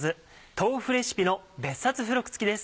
豆腐レシピの別冊付録付きです。